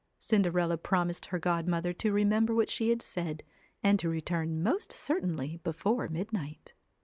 Cinderella promised her godmother to remember what she had said, and to return most certainly before midnight.